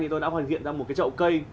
thì tôi đã hoàn thiện ra một cái trọng cây